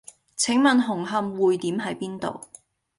請問紅磡薈點喺邊度？